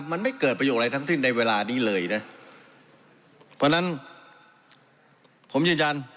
มันไม่เกิดประโยชน์อะไรทั้งสิ้นในเวลานี้เลยนะเพราะฉะนั้นผมยืนยัน